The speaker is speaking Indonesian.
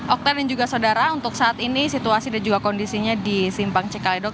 oktare dan juga saudara untuk saat ini situasi dan juga kondisinya di simpang cikalidok